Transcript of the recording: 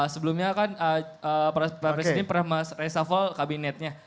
sebelumnya kan presiden pernah reshuffle kabinetnya